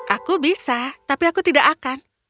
aku bisa tapi aku tidak akan